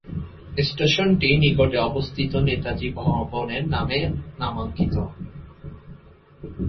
স্টেশনটি নিকটে অবস্থিত নেতাজি ভবনের নামে নামাঙ্কিত।